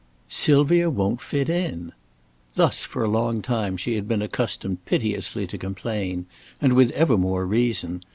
"Sylvia won't fit in." Thus for a long time she had been accustomed piteously to complain; and with ever more reason.